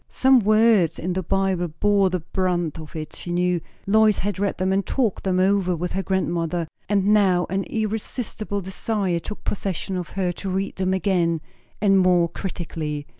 Some words in the Bible bore the brunt of it, she knew; Lois had read them and talked them over with her grandmother; and now an irresistible desire took possession of her to read them again, and more critically.